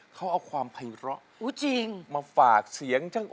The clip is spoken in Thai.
เขาเอาความไพร้อมาฝากเสียงจัง